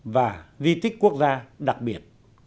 và di tích quốc gia đặc biệt